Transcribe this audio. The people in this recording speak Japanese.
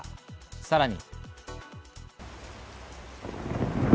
さらに。